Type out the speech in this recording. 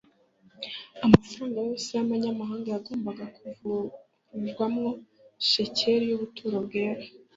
Amafaranga yose y'amanyamahanga yagombaga kuvurujwamo shekeri y'ubuturo bwera,